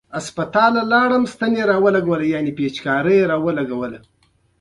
کویلیو ډیرې هڅې او معنوي سفرونه کړي دي.